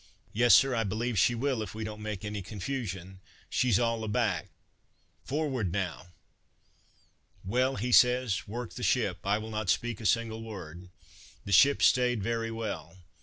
"Yes, Sir, I believe she will, if we don't make any confusion; she's all aback forward now?" "Well," says he, "work the ship, I will not speak a single word." The ship stayed very well.